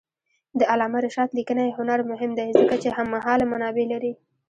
د علامه رشاد لیکنی هنر مهم دی ځکه چې هممهاله منابع لري.